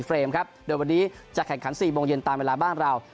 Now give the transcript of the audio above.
ครับโดยวันนี้จะแข่งขัน๔โมงเย็นตามเวลาบ้านเรา